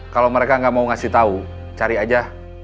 kalau mereka gak mau ngasih tau cari aja